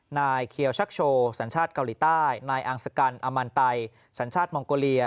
นายเคียวชักโชว์สัญชาติเกาหลีใต้นายอังสกันอมันไตสัญชาติมองโกเลีย